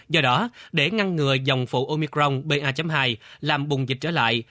do đó để ngăn ngừa dòng phụ omicron ba hai làm bùng dịch trở lại